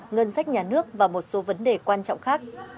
ngân sách nhà nước và một số vấn đề quan trọng khác